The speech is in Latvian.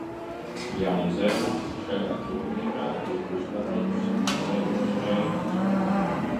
Jaunzēlande šajā turnīrā ir uzvarējusi sešas reizes.